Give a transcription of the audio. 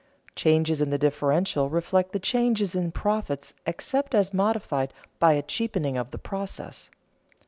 Changes in the differential reflect the changes in profits except as modified by a cheapening of the process.